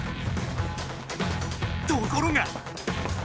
ところが。